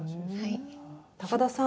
高田さん